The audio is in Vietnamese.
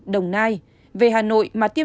đồng nai về hà nội mà tiêm